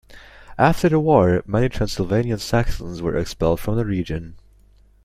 After the war many Transylvanian Saxons were expelled from the region.